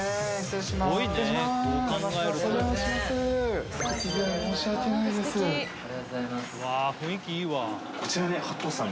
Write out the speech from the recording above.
突然申し訳ないです。